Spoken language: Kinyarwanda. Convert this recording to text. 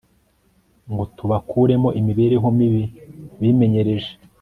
ngo tubakuremo imibereho mibi bimenyereje